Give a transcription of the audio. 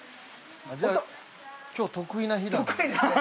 じゃあ今日得意な日だね。